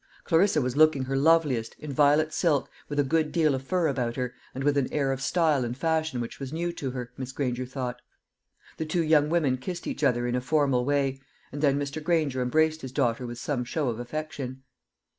Clarissa was looking her loveliest, in violet silk, with a good deal of fur about her, and with an air of style and fashion which was new to her, Miss Granger thought. The two young women kissed each other in a formal way, and then Mr. Granger embraced his daughter with some show of affection.